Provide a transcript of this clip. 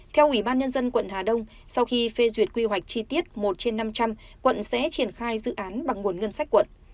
theo ủy ban nhân dân quận hà đông sau khi phê duyệt quy hoạch chi tiết một trên năm trăm linh quận sẽ triển khai dự án bằng nguồn ngân sách quận